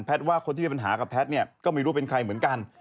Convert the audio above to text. ว่าคนที่มีปัญหากับแพทย์เนี่ยก็ไม่รู้เป็นใครเหมือนกัน